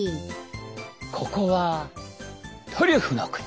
ここはトリュフの国。